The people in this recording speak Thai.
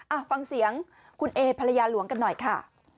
อ่ะฟังเสียงคุณเอภรรยาหลวงกันหน่อยค่ะ